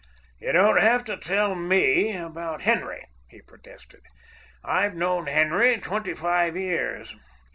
"You don't have to tell ME about Henry," he protested. "I've known Henry twenty five years.